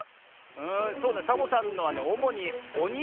んそうねサボさんのはねおもにおにくとかかなあ。